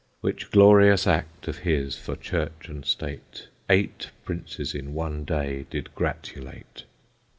Which glorious act of his for church and state Eight princes in one day did gratulate.